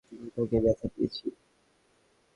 আমি তাকে ব্যথা দিয়েছি।